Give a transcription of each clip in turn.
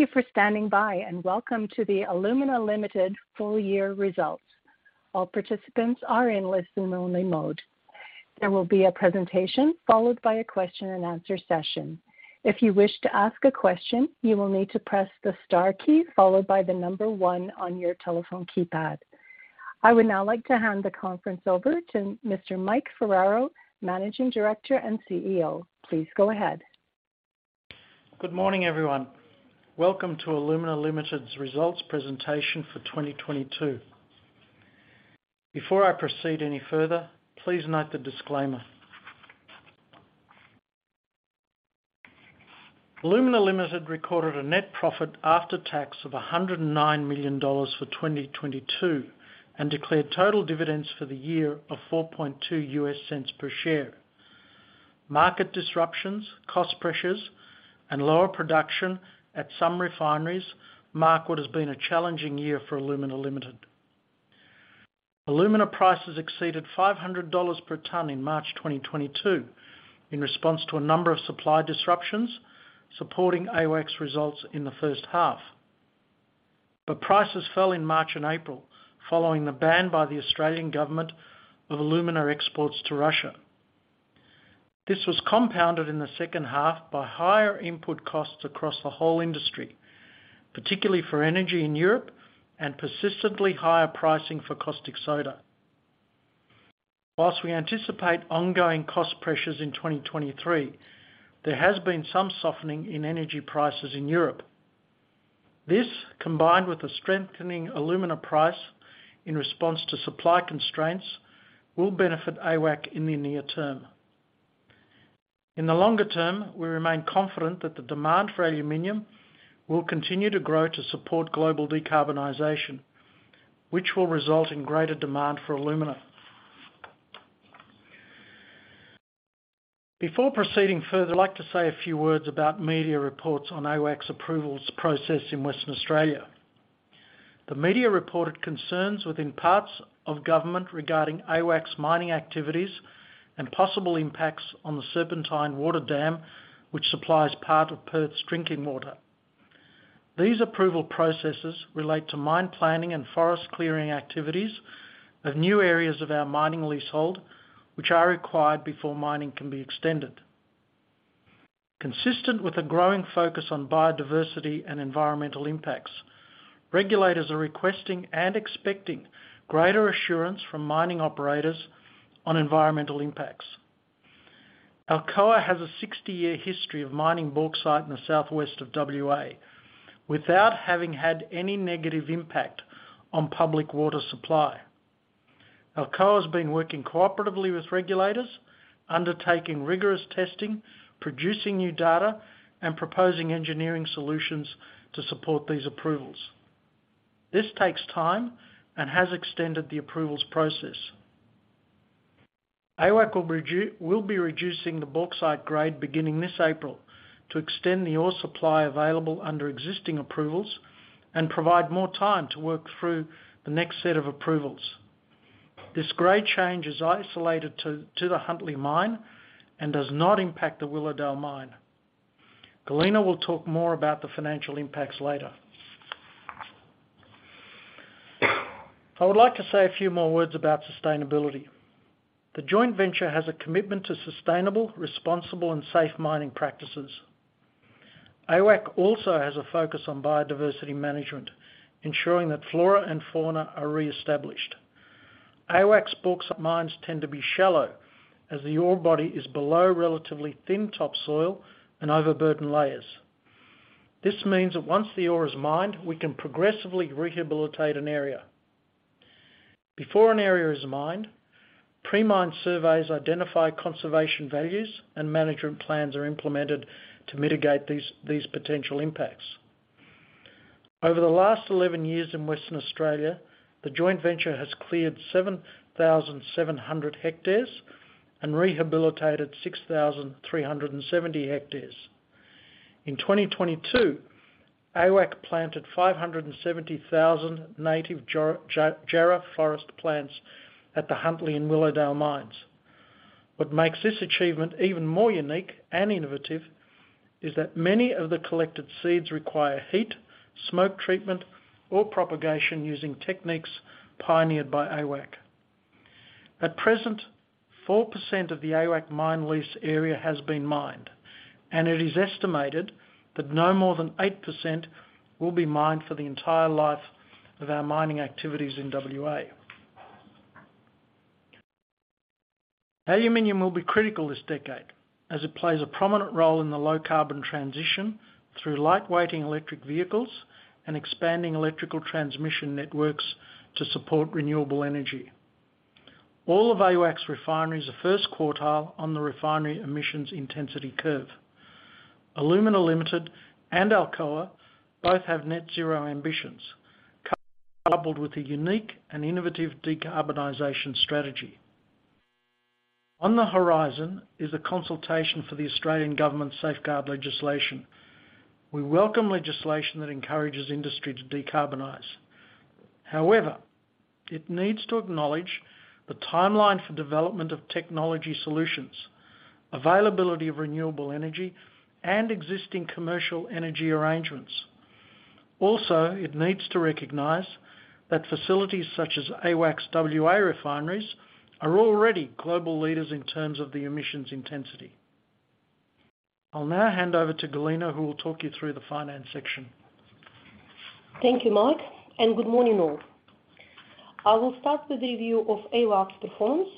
Thank you for standing by, and welcome to the Alumina Limited full year results. All participants are in listen only mode. There will be a presentation followed by a question and answer session. If you wish to ask a question, you will need to press the star key followed by one on your telephone keypad. I would now like to hand the conference over to Mr. Mike Ferraro, Managing Director and CEO. Please go ahead. Good morning, everyone. Welcome to Alumina Limited's results presentation for 2022. Before I proceed any further, please note the disclaimer. Alumina Limited recorded a net profit after tax of $109 million for 2022, and declared total dividends for the year of $0.042 per share. Market disruptions, cost pressures, and lower production at some refineries mark what has been a challenging year for Alumina Limited. Alumina prices exceeded $500 per ton in March 2022 in response to a number of supply disruptions, supporting AWAC's results in the first half. Prices fell in March and April, following the ban by the Australian Government of alumina exports to Russia. This was compounded in the second half by higher input costs across the whole industry, particularly for energy in Europe and persistently higher pricing for caustic soda. Whilst we anticipate ongoing cost pressures in 2023, there has been some softening in energy prices in Europe. This, combined with a strengthening alumina price in response to supply constraints, will benefit AWAC in the near term. In the longer term, we remain confident that the demand for aluminum will continue to grow to support global decarbonization, which will result in greater demand for alumina. Before proceeding further, I'd like to say a few words about media reports on AWAC's approvals process in Western Australia. The media reported concerns within parts of government regarding AWAC's mining activities and possible impacts on the Serpentine Water Dam, which supplies part of Perth's drinking water. These approval processes relate to mine planning and forest clearing activities of new areas of our mining leasehold, which are required before mining can be extended. Consistent with a growing focus on biodiversity and environmental impacts, regulators are requesting and expecting greater assurance from mining operators on environmental impacts. Alcoa has 60-year history of mining bauxite in the southwest of WA without having had any negative impact on public water supply. Alcoa has been working cooperatively with regulators, undertaking rigorous testing, producing new data, and proposing engineering solutions to support these approvals. This takes time and has extended the approvals process. AWAC will be reducing the bauxite grade beginning this April to extend the ore supply available under existing approvals and provide more time to work through the next set of approvals. This grade change is isolated to the Huntly mine and does not impact the Willowdale mine. Galina will talk more about the financial impacts later. I would like to say a few more words about sustainability. The joint venture has a commitment to sustainable, responsible, and safe mining practices. AWAC also has a focus on biodiversity management, ensuring that flora and fauna are reestablished. AWAC's bauxite mines tend to be shallow as the ore body is below relatively thin topsoil and overburden layers. This means that once the ore is mined, we can progressively rehabilitate an area. Before an area is mined, pre-mine surveys identify conservation values and management plans are implemented to mitigate these potential impacts. Over the last 11 years in Western Australia, the joint venture has cleared 7,700 hectares and rehabilitated 6,370 hectares. In 2022, AWAC planted 570,000 native jarrah forest plants at the Huntly and Willowdale mines. What makes this achievement even more unique and innovative is that many of the collected seeds require heat, smoke treatment, or propagation using techniques pioneered by AWAC. At present, 4% of the AWAC mine lease area has been mined, and it is estimated that no more than 8% will be mined for the entire life of our mining activities in WA. Aluminum will be critical this decade as it plays a prominent role in the low-carbon transition through lightweighting electric vehicles and expanding electrical transmission networks to support renewable energy. All of AWAC's refineries are first quartile on the refinery emissions intensity curve. Alumina Limited and Alcoa both have net zero ambitions, coupled with a unique and innovative decarbonization strategy. On the horizon is a consultation for the Australian Government Safeguard legislation. We welcome legislation that encourages industry to decarbonize. However, it needs to acknowledge the timeline for development of technology solutions, availability of renewable energy, and existing commercial energy arrangements. Also, it needs to recognize that facilities such as AWAC's WA refineries are already global leaders in terms of the emissions intensity. I'll now hand over to Galina, who will talk you through the finance section. Thank you, Mike, and good morning all. I will start with the review of AWAC's performance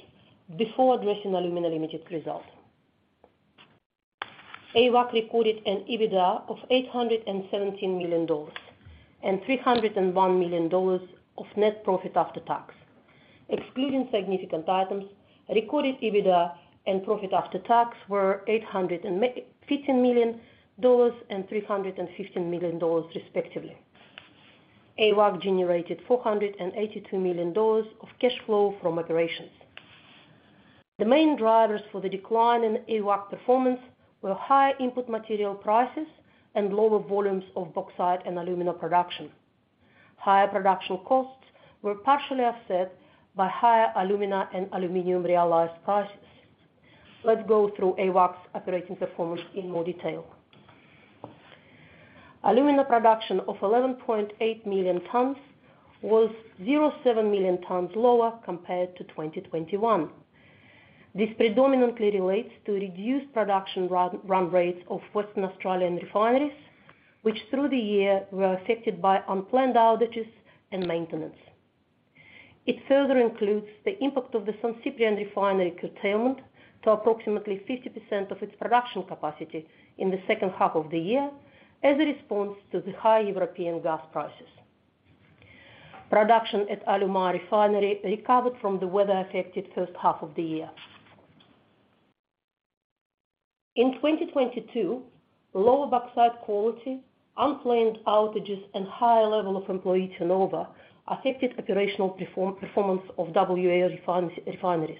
before addressing Alumina Limited result. AWAC recorded an EBITDA of $817 million and $301 million of net profit after tax. Excluding significant items, recorded EBITDA and profit after tax were $815 million and $315 million respectively. AWAC generated $482 million of cash flow from operations. The main drivers for the decline in AWAC performance were higher input material prices and lower volumes of bauxite and alumina production. Higher production costs were partially offset by higher alumina and aluminum realized prices. Let's go through AWAC's operating performance in more detail. Alumina production of 11.8 million tons was 0.7 million tons lower compared to 2021. This predominantly relates to reduced production run rates of Western Australian refineries, which through the year were affected by unplanned outages and maintenance. It further includes the impact of the San Ciprián refinery curtailment to approximately 50% of its production capacity in the second half of the year as a response to the high European gas prices. Production at Alumar Refinery recovered from the weather-affected first half of the year. In 2022, lower bauxite quality, unplanned outages, and higher level of employee turnover affected operational performance of WA Refineries.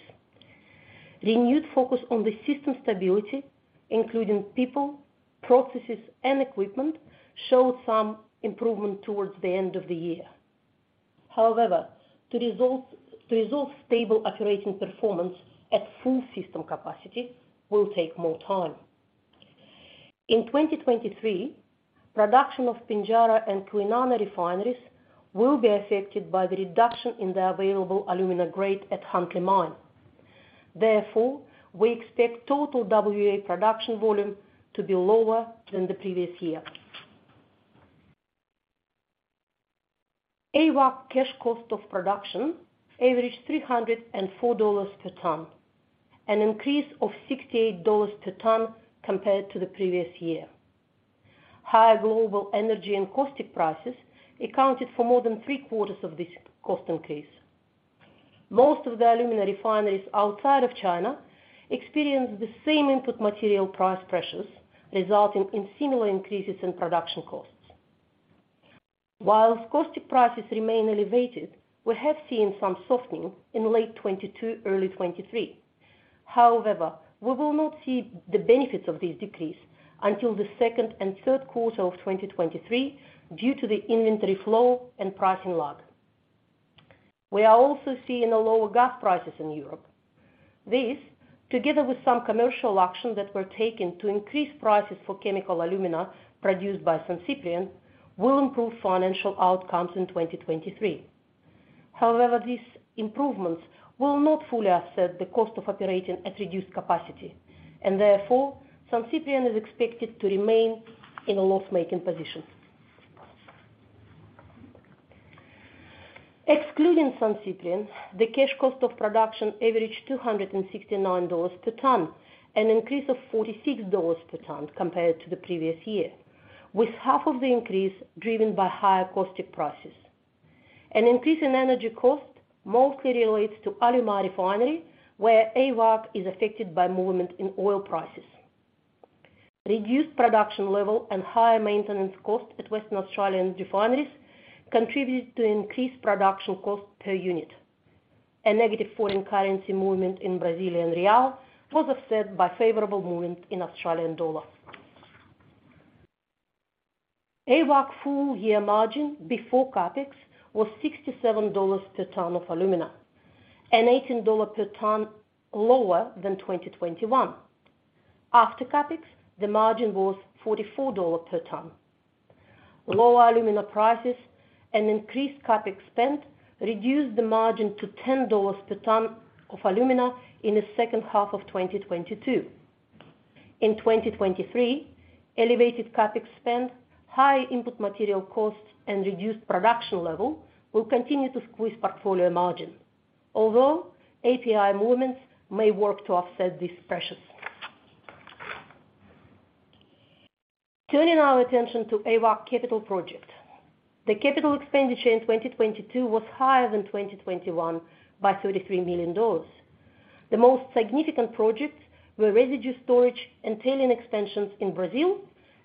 Renewed focus on the system stability, including people, processes, and equipment, showed some improvement towards the end of the year. However, to resolve stable operating performance at full system capacity will take more time. In 2023, production of Pinjarra and Kwinana refineries will be affected by the reduction in the available alumina grade at Huntly Mine. Therefore, we expect total WA production volume to be lower than the previous year. AWAC cash cost of production averaged $304 per ton, an increase of $68 per ton compared to the previous year. Higher global energy and caustic prices accounted for more than three-quarters of this cost increase. Most of the alumina refineries outside of China experienced the same input material price pressures, resulting in similar increases in production costs. Whilst caustic prices remain elevated, we have seen some softening in late 2022, early 2023. However, we will not see the benefits of this decrease until the 2nd and 3rd quarter of 2023 due to the inventory flow and pricing lag. We are also seeing lower gas prices in Europe. This, together with some commercial actions that were taken to increase prices for chemical alumina produced by San Ciprián, will improve financial outcomes in 2023. These improvements will not fully offset the cost of operating at reduced capacity and therefore San Ciprián is expected to remain in a loss-making position. Excluding San Ciprián, the cash cost of production averaged $269 per ton, an increase of $46 per ton compared to the previous year, with half of the increase driven by higher caustic prices. An increase in energy cost mostly relates to Alumar Refinery, where AWAC is affected by movement in oil prices. Reduced production level and higher maintenance costs at Western Australian refineries contributed to increased production cost per unit. A negative foreign currency movement in Brazilian real was offset by favorable movement in Australian dollar. AWAC full year margin before CapEx was $67 per ton of alumina, and $18 per ton lower than 2021. After CapEx, the margin was $44 per ton. Lower alumina prices and increased CapEx spend reduced the margin to $10 per ton of alumina in the second half of 2022. In 2023, elevated CapEx spend, high input material costs, and reduced production level will continue to squeeze portfolio margin. API movements may work to offset these pressures. Turning our attention to AWAC capital project. The capital expenditure in 2022 was higher than 2021 by $33 million. The most significant projects were residue storage and tailing extensions in Brazil,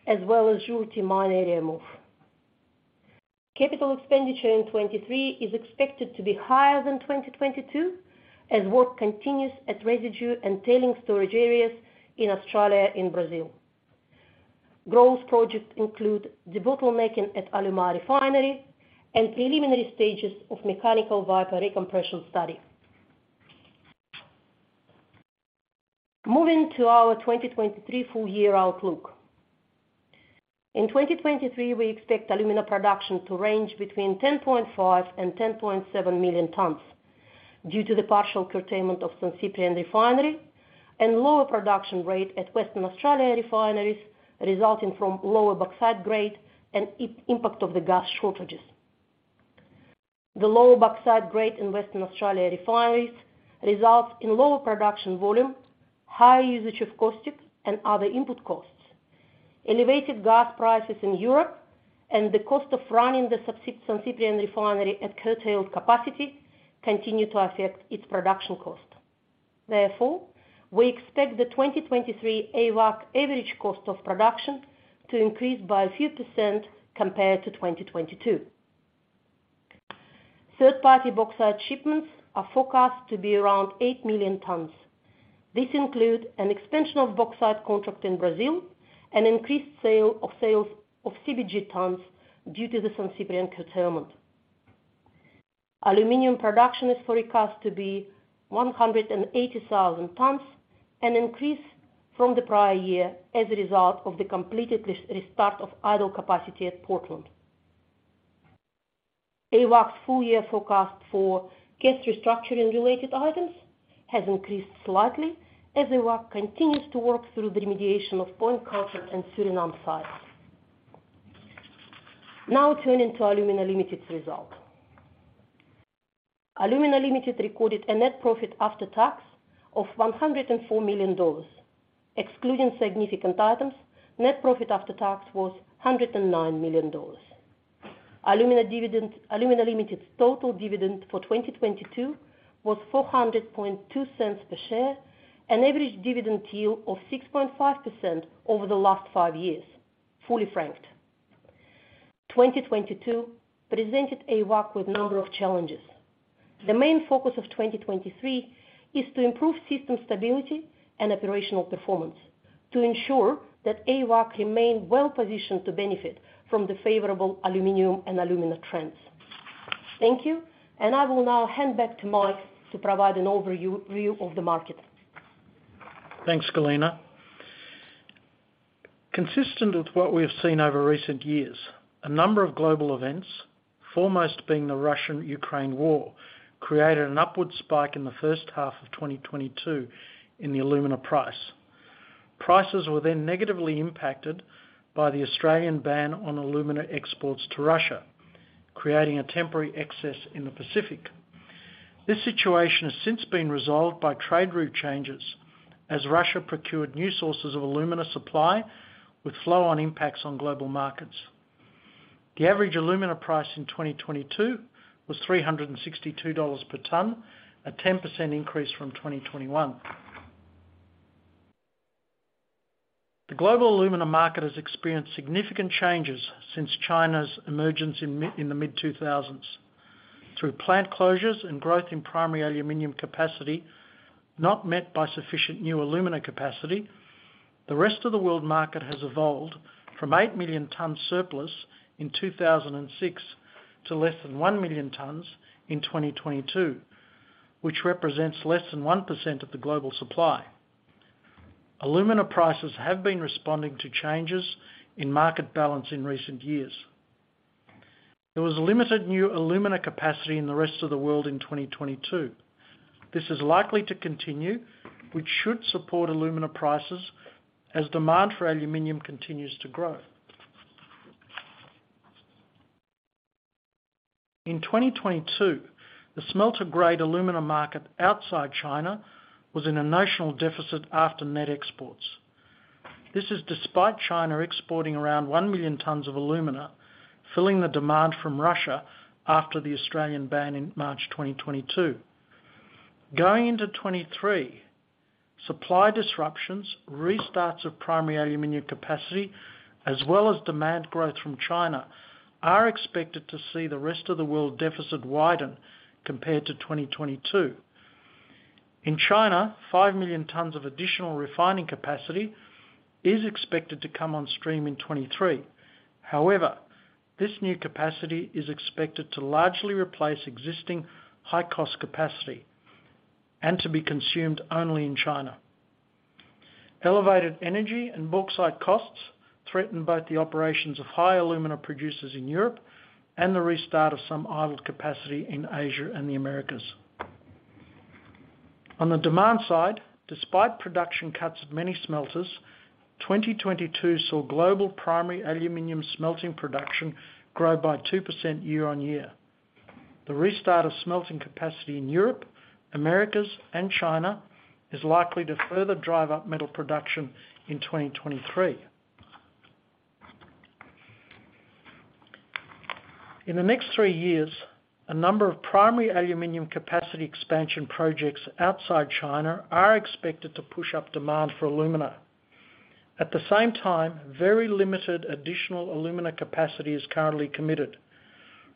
as well as Juruti Mine area move. Capital expenditure in 2023 is expected to be higher than 2022, as work continues at residue and tailing storage areas in Australia and Brazil. Growth projects include debottlenecking at Alumar Refinery and preliminary stages of Mechanical Vapour Recompression study. Moving to our 2023 full year outlook. In 2023, we expect alumina production to range between 10.5 million tons and 10.7 million tons due to the partial curtailment of San Ciprián Refinery and lower production rate at Western Australia refineries, resulting from lower bauxite grade and impact of the gas shortages. The lower bauxite grade in Western Australia refineries results in lower production volume, higher usage of caustic, and other input costs. Elevated gas prices in Europe and the cost of running the San Ciprián Refinery at curtailed capacity continue to affect its production cost. Therefore, we expect the 2023 AWAC average cost of production to increase by a few % compared to 2022. Third-party bauxite shipments are forecast to be around 8 million tons. This include an expansion of bauxite contract in Brazil and increased sale of CBG tons due to the San Ciprián curtailment. Aluminum production is forecast to be 180,000 tons, an increase from the prior year as a result of the completed restart of idle capacity at Portland. AWAC's full year forecast for case restructuring related items has increased slightly as AWAC continues to work through the remediation of Point Comfort and Suriname sites. Now turning to Alumina Limited's result. Alumina Limited recorded a net profit after tax of $104 million. Excluding significant items, net profit after tax was $109 million. Alumina Limited total dividend for 2022 was $4.002 per share, an average dividend yield of 6.5% over the last five years, fully franked. 2022 presented AWAC with a number of challenges. The main focus of 2023 is to improve system stability and operational performance to ensure that AWAC remain well-positioned to benefit from the favorable aluminum and alumina trends. Thank you. I will now hand back to Mike to provide an overview of the market. Thanks, Galina. Consistent with what we've seen over recent years, a number of global events, foremost being the Russian-Ukraine War, created an upward spike in the first half of 2022 in the alumina price. Prices were negatively impacted by the Australian ban on alumina exports to Russia, creating a temporary excess in the Pacific. This situation has since been resolved by trade route changes as Russia procured new sources of alumina supply with flow-on impacts on global markets. The average alumina price in 2022 was $362 per ton, a 10% increase from 2021. The global alumina market has experienced significant changes since China's emergence in the mid-2000s. Through plant closures and growth in primary aluminum capacity, not met by sufficient new alumina capacity, the rest of the world market has evolved from 8 million tons surplus in 2006 to less than 1 million tons in 2022, which represents less than 1% of the global supply. Alumina prices have been responding to changes in market balance in recent years. There was limited new alumina capacity in the rest of the world in 2022. This is likely to continue, which should support alumina prices as demand for aluminum continues to grow. In 2022, the smelter-grade alumina market outside China was in a national deficit after net exports. This is despite China exporting around 1 million tons of alumina, filling the demand from Russia after the Australian ban in March 2022. Going into 2023, supply disruptions, restarts of primary aluminum capacity, as well as demand growth from China, are expected to see the rest of the world deficit widen compared to 2022. In China, 5 million tons of additional refining capacity is expected to come on stream in 2023. This new capacity is expected to largely replace existing high-cost capacity and to be consumed only in China. Elevated energy and bauxite costs threaten both the operations of high alumina producers in Europe and the restart of some idled capacity in Asia and the Americas. On the demand side, despite production cuts of many smelters, 2022 saw global primary aluminum smelting production grow by 2% year on year. The restart of smelting capacity in Europe, Americas, and China is likely to further drive up metal production in 2023. In the next three years, a number of primary aluminum capacity expansion projects outside China are expected to push up demand for alumina. At the same time, very limited additional alumina capacity is currently committed.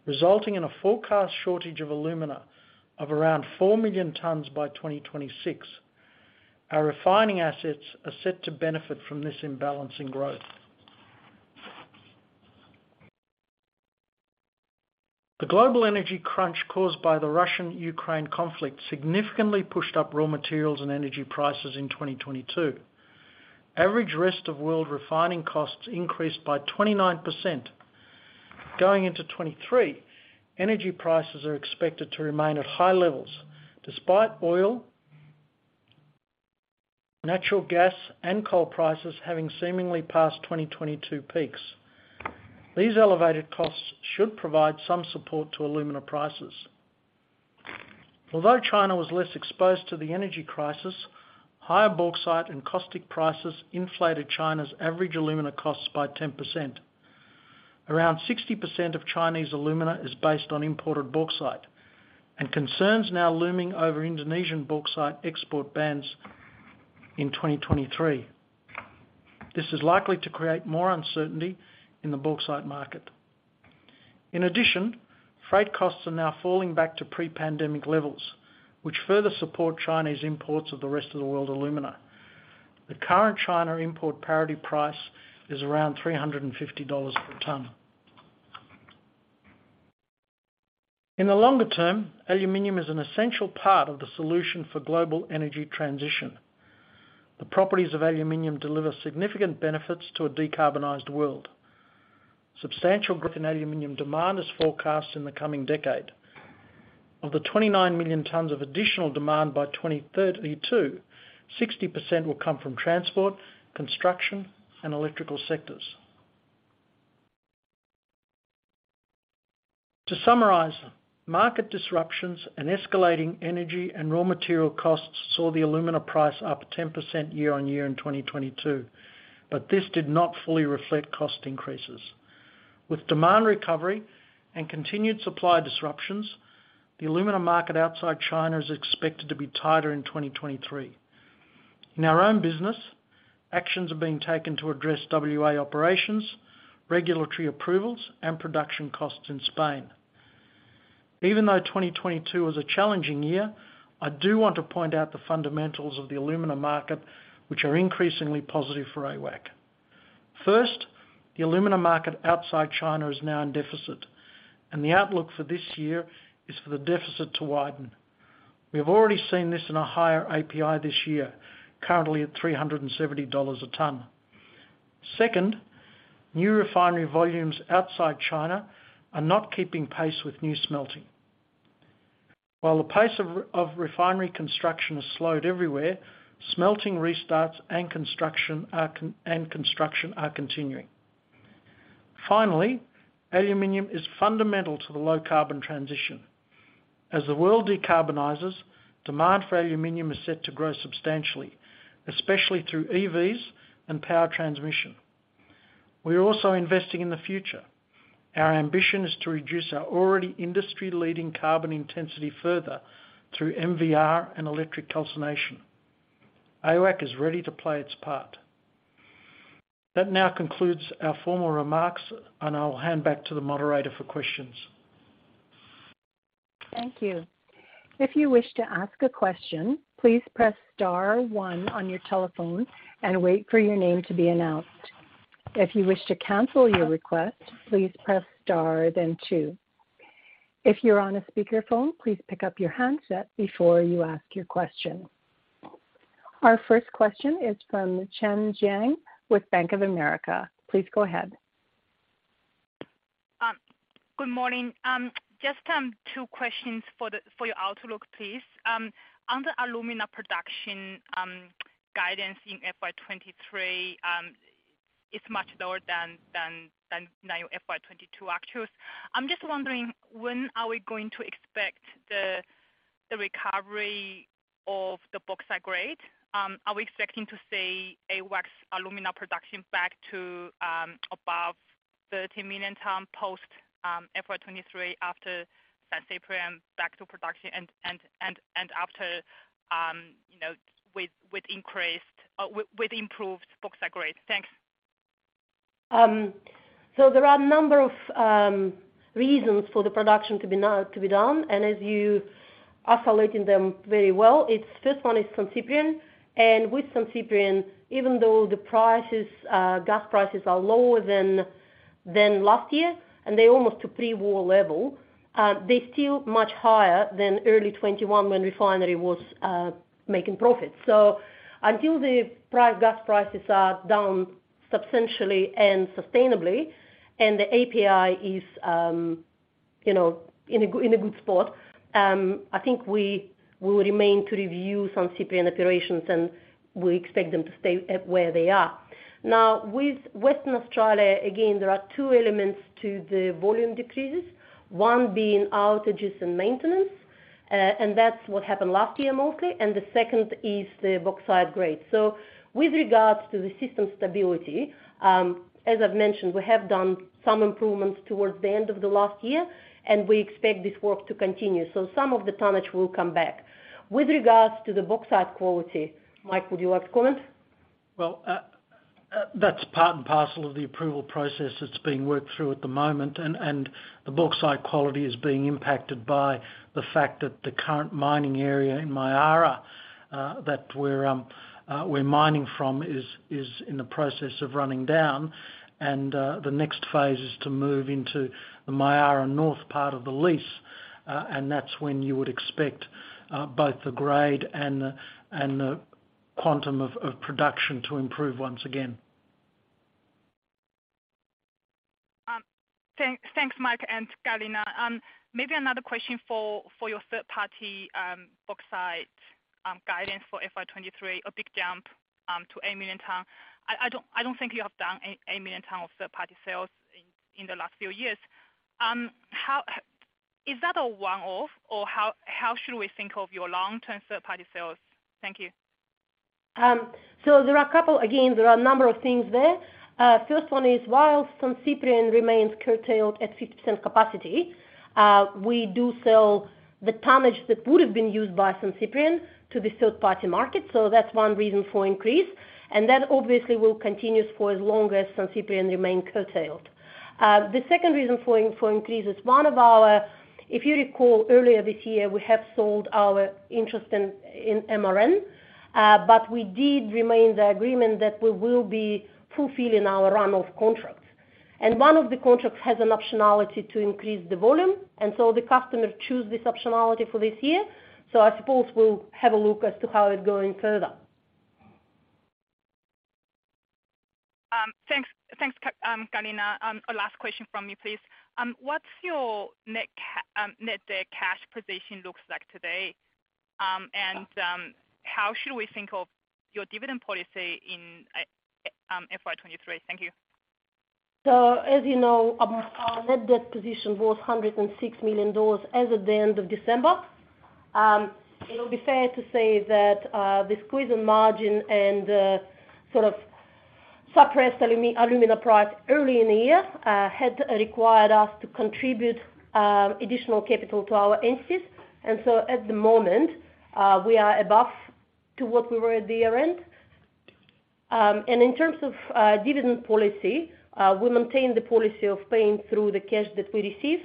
Resulting in a forecast shortage of alumina of around 4 million tons by 2026. Our refining assets are set to benefit from this imbalance in growth. The global energy crunch caused by the Russian-Ukraine conflict significantly pushed up raw materials and energy prices in 2022. Average rest of world refining costs increased by 29%. Going into 2023, energy prices are expected to remain at high levels despite oil, natural gas, and coal prices having seemingly passed 2022 peaks. These elevated costs should provide some support to alumina prices. Although China was less exposed to the energy crisis, higher bauxite and caustic prices inflated China's average alumina costs by 10%. Around 60% of Chinese alumina is based on imported bauxite and concerns now looming over Indonesian bauxite export bans in 2023. This is likely to create more uncertainty in the bauxite market. In addition, freight costs are now falling back to pre-pandemic levels, which further support Chinese imports of the rest of the world alumina. The current China import parity price is around $350 per ton. In the longer term, aluminum is an essential part of the solution for global energy transition. The properties of aluminum deliver significant benefits to a decarbonized world. Substantial growth in aluminum demand is forecast in the coming decade. Of the 29 million tons of additional demand by 2032, 60% will come from transport, construction, and electrical sectors. To summarize, market disruptions and escalating energy and raw material costs saw the alumina price up 10% year-on-year in 2022, but this did not fully reflect cost increases. With demand recovery and continued supply disruptions, the alumina market outside China is expected to be tighter in 2023. In our own business, actions are being taken to address WA operations, regulatory approvals, and production costs in Spain. Even though 2022 was a challenging year, I do want to point out the fundamentals of the alumina market, which are increasingly positive for AWAC. First, the alumina market outside China is now in deficit. The outlook for this year is for the deficit to widen. We have already seen this in a higher API this year, currently at $370 a ton. Second, new refinery volumes outside China are not keeping pace with new smelting. While the pace of refinery construction has slowed everywhere, smelting restarts and construction are continuing. Aluminum is fundamental to the low carbon transition. As the world decarbonizes, demand for aluminum is set to grow substantially, especially through EVs and power transmission. We are also investing in the future. Our ambition is to reduce our already industry-leading carbon intensity further through MVR and electric calcination. AWAC is ready to play its part. That now concludes our formal remarks. I'll hand back to the moderator for questions. Thank you. If you wish to ask a question, please press star one on your telephone and wait for your name to be announced. If you wish to cancel your request, please press star, then two. If you're on a speaker phone, please pick up your handset before you ask your question. Our first question is from Chen Jiang with Bank of America. Please go ahead. Good morning. Just two questions for your outlook, please. On the alumina production guidance in FY 2023 is much lower than now FY 2022 actuals. I'm just wondering when are we going to expect the recovery of the bauxite grade? Are we expecting to see AWAC's alumina production back to above 30 million tons post FY 2023 after San Ciprián back to production and after with improved bauxite grade? Thanks. There are a number of reasons for the production to be down, and as you isolating them very well. First one is San Ciprián, and with San Ciprián, even though the prices, gas prices are lower than last year, and they're almost to pre-war level, they're still much higher than early 2021 when refinery was making profit. Until gas prices are down substantially and sustainably and the API is, you know, in a good spot, I think we will remain to review San Ciprián operations, and we expect them to stay at where they are. With Western Australia, again, there are two elements to the volume decreases, one being outages and maintenance, and that's what happened last year mostly, and the second is the bauxite grade. With regards to the system stability, as I've mentioned, we have done some improvements towards the end of the last year, and we expect this work to continue. Some of the tonnage will come back. With regards to the bauxite quality, Mike, would you like to comment? Well. That's part and parcel of the approval process that's being worked through at the moment. The bauxite quality is being impacted by the fact that the current mining area in Myara that we're mining from is in the process of running down. The next phase is to move into the Myara North part of the lease. That's when you would expect both the grade and the quantum of production to improve once again. Thanks, Mike and Galina. Maybe another question for your third party bauxite guidance for FY 2023, a big jump to 8 million ton. I don't think you have done 8 million ton of third party sales in the last few years. How is that a one-off or how should we think of your long-term third party sales? Thank you. Again, there are a number of things there. First one is, while San Ciprián remains curtailed at 50% capacity, we do sell the tonnage that would've been used by San Ciprián to the third party market. That's one reason for increase, and that obviously will continue for as long as San Ciprián remain curtailed. The second reason for increase is, if you recall earlier this year, we have sold our interest in MRN. We did remain the agreement that we will be fulfilling our run of contracts. One of the contracts has an optionality to increase the volume, the customer choose this optionality for this year. I suppose we'll have a look as to how it's going further. Thanks, thanks, Galina. A last question from me, please. What's your net debt cash position looks like today? How should we think of your dividend policy in FY 2023? Thank you. As you know, our net debt position was $106 million as of the end of December. It'll be fair to say that the squeeze in margin and sort of suppressed alumina price early in the year had required us to contribute additional capital to our entities. At the moment, we are above to what we were at the year end. In terms of dividend policy, we maintain the policy of paying through the cash that we receive.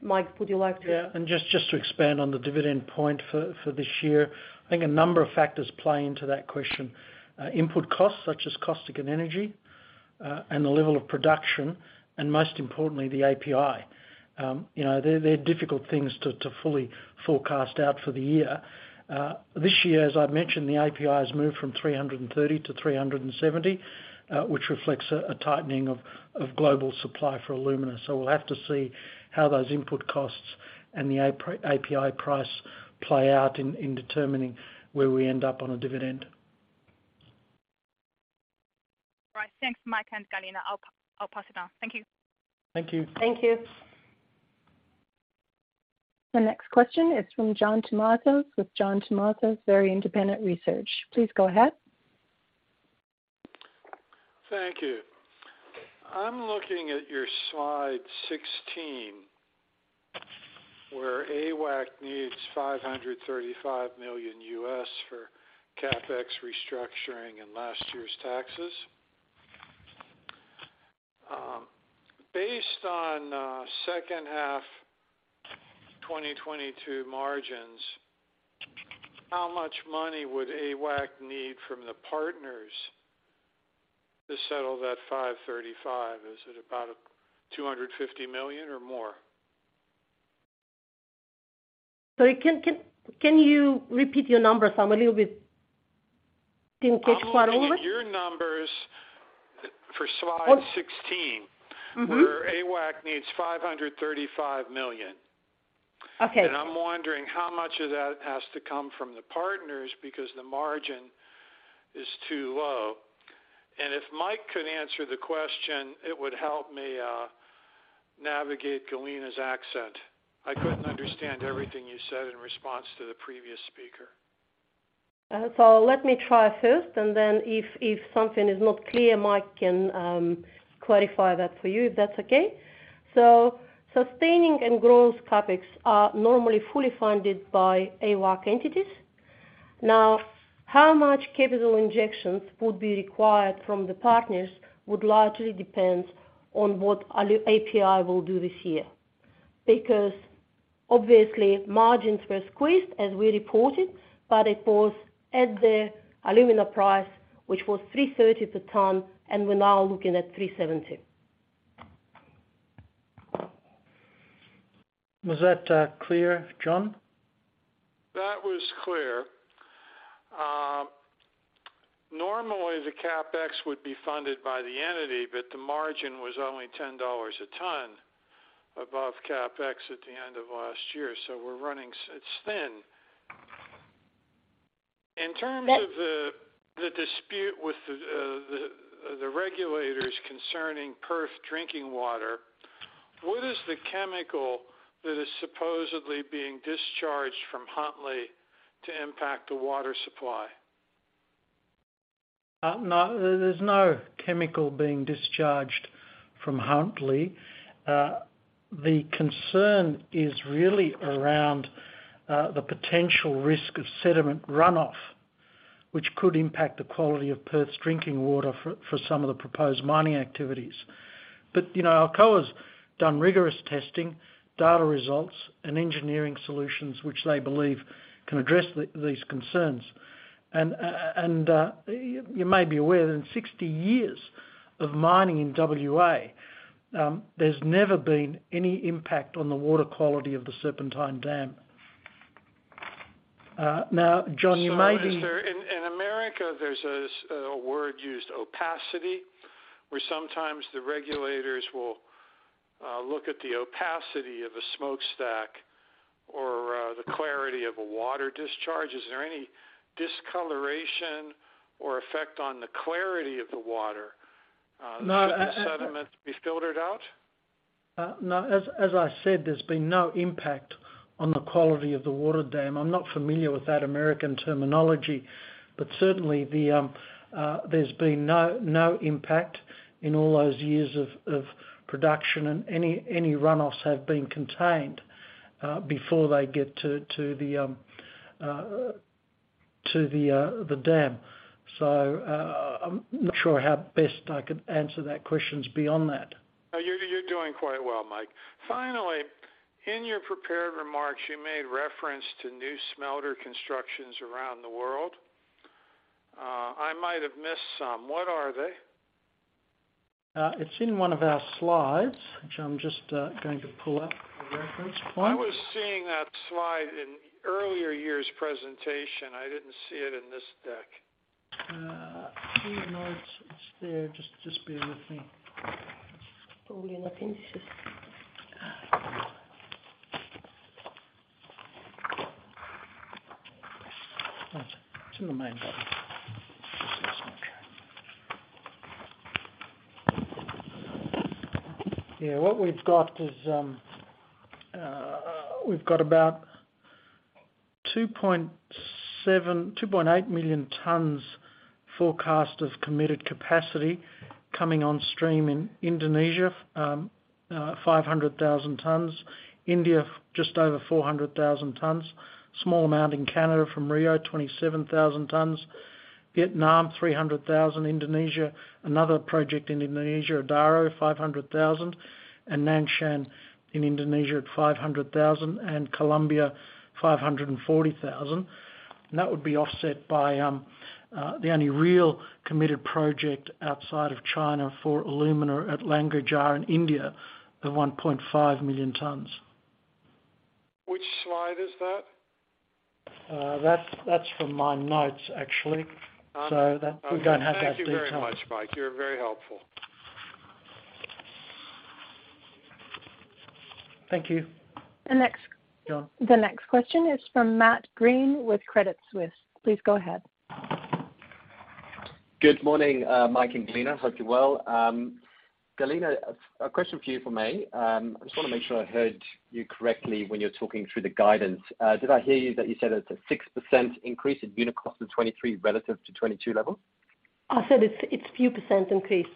Mike, would you like to. Just to expand on the dividend point for this year, I think a number of factors play into that question. Input costs such as caustic and energy, and the level of production, and most importantly, the API. You know, they're difficult things to fully forecast out for the year. This year, as I've mentioned, the API has moved from $330 to $370, which reflects a tightening of global supply for alumina. We'll have to see how those input costs and the API price play out in determining where we end up on a dividend. Right. Thanks, Mike and Galina. I'll pass it on. Thank you. Thank you. Thank you. The next question is from John Tumazos with John Tumazos Very Independent Research. Please go ahead. Thank you. I'm looking at your slide 16, where AWAC needs $535 million for CapEx restructuring and last year's taxes. Based on second half 2022 margins, how much money would AWAC need from the partners to settle that $535 million Is it about $250 million or more? Sorry, can you repeat your numbers? I'm a little bit. Didn't catch quite all of it. I'm looking at your numbers for slide 16. Oh. Mm-hmm. where AWAC needs $535 million. Okay. I'm wondering how much of that has to come from the partners because the margin is too low. If Mike could answer the question, it would help me navigate Galina's accent. I couldn't understand everything you said in response to the previous speaker. Let me try first, and then if something is not clear, Mike can clarify that for you, if that's okay. Sustaining and growth CapEx are normally fully funded by AWAC entities. Now, how much capital injections would be required from the partners would largely depend on what API will do this year. Obviously, margins were squeezed as we reported, but it was at the alumina price, which was $330 per ton, and we're now looking at $370. Was that clear, John? That was clear. Normally the CapEx would be funded by the entity. The margin was only $10 a ton above CapEx at the end of last year. We're running it's thin. In terms of the. Yeah. the dispute with the regulators concerning Perth's drinking water, what is the chemical that is supposedly being discharged from Huntly to impact the water supply? No, there's no chemical being discharged from Huntly. The concern is really around the potential risk of sediment runoff, which could impact the quality of Perth's drinking water for some of the proposed mining activities. You know, Alcoa's done rigorous testing, data results and engineering solutions, which they believe can address these concerns. You may be aware that in 60 years of mining in WA, there's never been any impact on the water quality of the Serpentine Dam. John, you may be. In America, there's this word used, opacity, where sometimes the regulators will look at the opacity of a smokestack or the clarity of a water discharge. Is there any discoloration or effect on the clarity of the water? No. sediments be filtered out? No. As I said, there's been no impact on the quality of the water dam. I'm not familiar with that American terminology, but certainly there's been no impact in all those years of production, and any runoffs have been contained before they get to the dam. I'm not sure how best I can answer that questions beyond that. No, you're doing quite well, Mike. Finally, in your prepared remarks, you made reference to new smelter constructions around the world. I might have missed some. What are they? It's in one of our slides, which I'm just going to pull up a reference point. I was seeing that slide in earlier years' presentation. I didn't see it in this deck. Yeah, no, it's there. Just bear with me. What were you looking, just... It's in the main one. Yeah, what we've got is, we've got about 2.7, 2.8 million tons forecast of committed capacity coming on stream in Indonesia, 500,000 tons. India, just over 400,000 tons. Small amount in Canada from Rio, 27,000 tons. Vietnam, 300,000. Indonesia, another project in Indonesia, Daro, 500,000. Nanshan in Indonesia at 500,000, and Colombia, 540,000. That would be offset by the only real committed project outside of China for alumina at Lanjigarh in India, at 1.5 million tons. Which slide is that? That's from my notes, actually. Okay. That, we don't have that detailed. Thank you very much, Mike. You're very helpful. Thank you. The next- John. The next question is from Matt Greene with Credit Suisse. Please go ahead. Good morning, Mike and Galina. Hope you're well. Galina, a question for you for me. I just wanna make sure I heard you correctly when you're talking through the guidance. Did I hear you that you said it's a 6% increase in unit cost in 2023 relative to 2022 levels? I said it's few percent increase.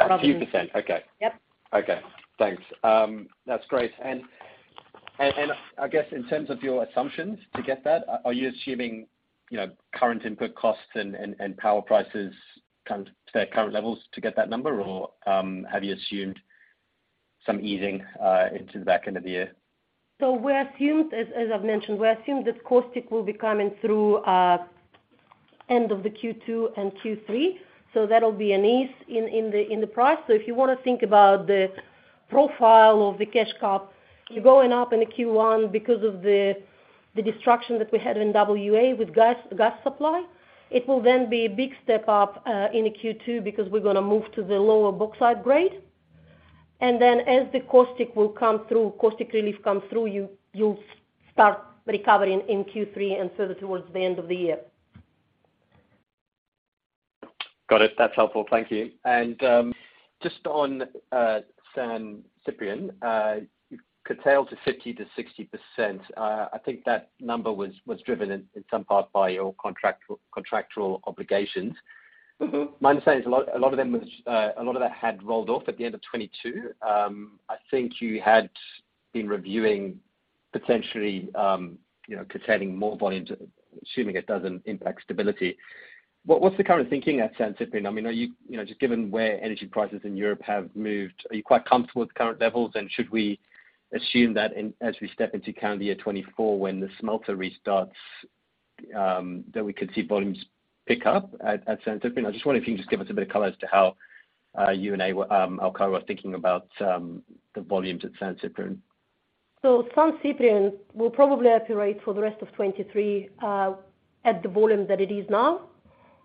A few percent? Okay. Yep. Okay. Thanks. That's great. I guess in terms of your assumptions to get that, are you assuming, you know, current input costs and power prices kind of to their current levels to get that number? Or have you assumed some easing into the back end of the year? We assumed as I've mentioned, we assumed that caustic will be coming through, end of the Q2 and Q3, that'll be an ease in the price. If you wanna think about the profile of the cash cost, you're going up in the Q1 because of the destruction that we had in WA with gas supply. It will then be a big step up in Q2, because we're gonna move to the lower bauxite grade. Then as the caustic will come through, caustic relief come through you'll start recovering in Q3 and further towards the end of the year. Got it. That's helpful. Thank you. Just on San Ciprián, you curtail to 50% to 60%. I think that number was driven in some part by your contractual obligations. Mm-hmm. My understanding is a lot of them was, a lot of that had rolled off at the end of 2022. I think you had been reviewing potentially, you know, curtailing more volume assuming it doesn't impact stability. What's the current thinking at San Ciprián? I mean, are you know, just given where energy prices in Europe have moved, are you quite comfortable with current levels? Should we assume that as we step into calendar year 2024 when the smelter restarts, that we could see volumes pick up at San Ciprián? I just wonder if you can just give us a bit of color as to how you and Alcoa are thinking about, the volumes at San Ciprian. San Ciprian will probably operate for the rest of 2023 at the volume that it is now,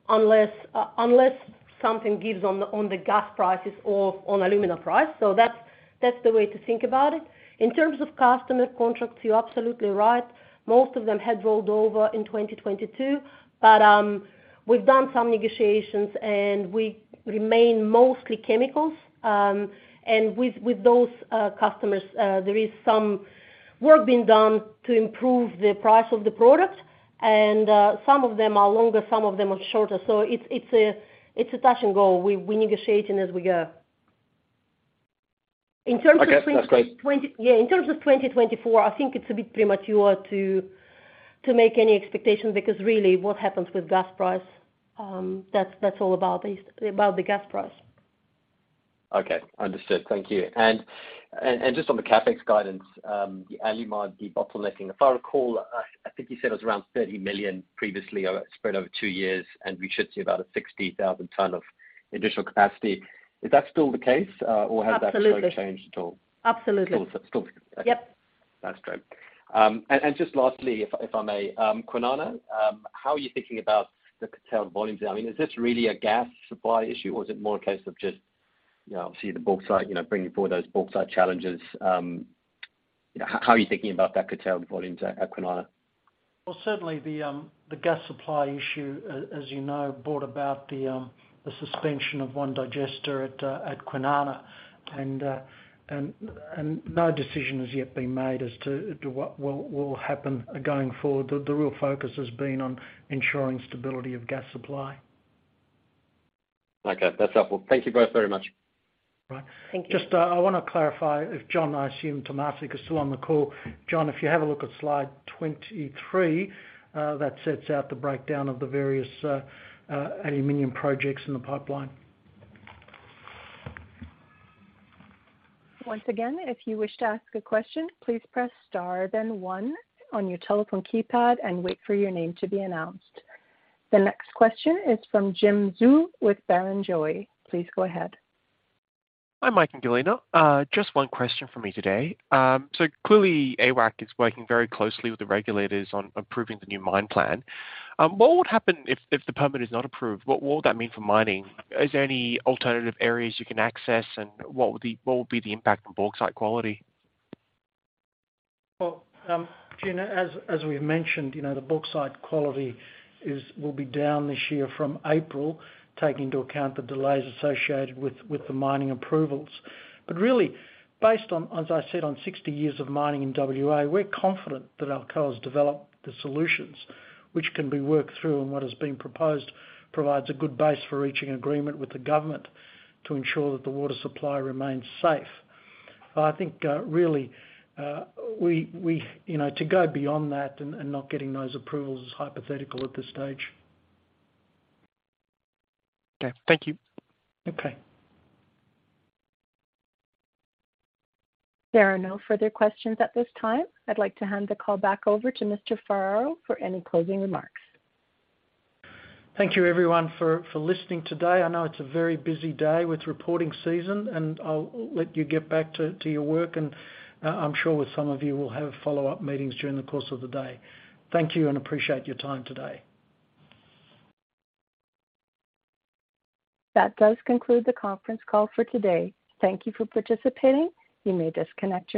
unless unless something gives on the gas prices or on alumina price. That's the way to think about it. In terms of customer contracts, you're absolutely right. Most of them had rolled over in 2022, but we've done some negotiations, and we remain mostly chemicals. With those customers, there is some work being done to improve the price of the product. Some of them are longer, some of them are shorter. It's a touch and go. We negotiate and as we go. Okay. That's great. Yeah. In terms of 2024, I think it's a bit premature to make any expectations because really what happens with gas price, that's all about the gas price. Okay. Understood. Thank you. Just on the CapEx guidance, the Alumar debottlenecking. The prior call, I think you said it was around $30 million previously spread over 2 years, and we should see about a 60,000 tonne of additional capacity. Is that still the case? Absolutely. Has that changed at all? Absolutely. Still. Yep. That's great. And just lastly, if I may, Kwinana, how are you thinking about the curtailed volumes? I mean, is this really a gas supply issue, or is it more a case of just, you know, obviously the bauxite, you know, bringing forward those bauxite challenges, how are you thinking about that curtailed volumes at Kwinana? Well, certainly the gas supply issue, as you know, brought about the suspension of one digester at Kwinana. No decision has yet been made as to what will happen going forward. The real focus has been on ensuring stability of gas supply. Okay. That's helpful. Thank you both very much. Right. Thank you. Just, I wanna clarify if John, I assume Tumazos is still on the call. John, if you have a look at slide 23, that sets out the breakdown of the various, aluminum projects in the pipeline. Once again, if you wish to ask a question, please press star then 1 on your telephone keypad, and wait for your name to be announced. The next question is from Glyn Lawcock with Barrenjoey. Please go ahead. Hi, Mike and Galina. Just one question from me today. Clearly, AWAC is working very closely with the regulators on approving the new mine plan. What would happen if the permit is not approved? What would that mean for mining? Is there any alternative areas you can access, and what would be the impact on bauxite quality? Well, Jim, as we've mentioned, you know, the bauxite quality will be down this year from April, taking into account the delays associated with the mining approvals. Really, based on, as I said, on 60 years of mining in WA, we're confident that Alcoa's developed the solutions which can be worked through, and what is being proposed provides a good base for reaching an agreement with the government to ensure that the water supply remains safe. I think really, we, You know, to go beyond that and not getting those approvals is hypothetical at this stage. Okay. Thank you. Okay. There are no further questions at this time. I'd like to hand the call back over to Mr. Ferraro for any closing remarks. Thank you everyone for listening today. I know it's a very busy day with reporting season, and I'll let you get back to your work. I'm sure with some of you we'll have follow-up meetings during the course of the day. Thank you and appreciate your time today. That does conclude the conference call for today. Thank you for participating. You may disconnect your lines.